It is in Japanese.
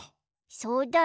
そうだね。